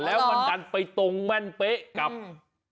แล้วมันดันไปตรงแม่นเป๊ะกับ